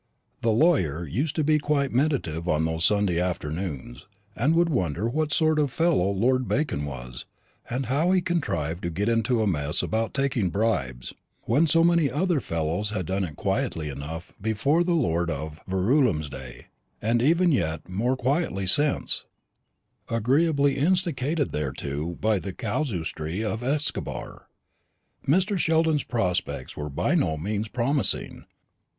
The lawyer used to be quite meditative on those Sunday afternoons, and would wonder what sort of a fellow Lord Bacon was, and how he contrived to get into a mess about taking bribes, when so many other fellows had done it quietly enough before the Lord of Verulam's day, and even yet more quietly since agreeably instigated thereto by the casuistry of Escobar. Mr. Sheldon's prospects were by no means promising.